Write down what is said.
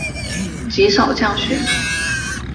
极少降雪。